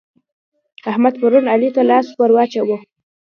احمد پرون علي ته لاس ور واچاوو.